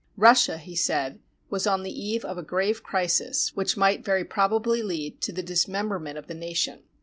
Russia, he said, was on the eve of a grave crisis, which might very prob ably lead to the dismemberment of the nation.